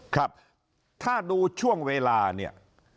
ครับถ้าดูช่วงเวลาเนี่ย